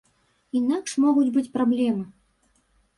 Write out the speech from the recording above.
Інакш могуць быць праблемы.